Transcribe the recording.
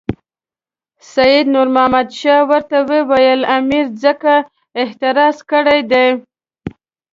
سید نور محمد شاه ورته وویل امیر ځکه اعتراض کړی دی.